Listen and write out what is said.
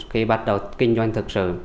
khi bắt đầu kinh doanh thực sự